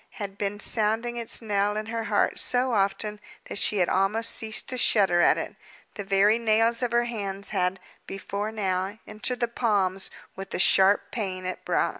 had been sounding its knell in her heart so often that she had almost ceased to shudder at it. The very nails of her hands had, before now, entered the palms, with the sharp pain it brought.